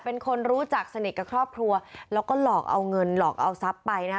เป็นคนรู้จักสนิทกับครอบครัวแล้วก็หลอกเอาเงินหลอกเอาทรัพย์ไปนะฮะ